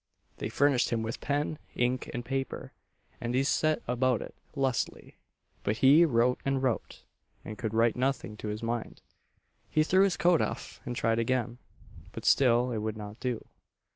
They furnished him with pen, ink, and paper, and he set about it lustily; but he wrote and wrote, and could write nothing to his mind. He threw his coat off, and tried again; but still it would not do.